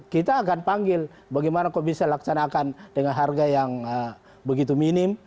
kita akan panggil bagaimana kok bisa laksanakan dengan harga yang begitu minim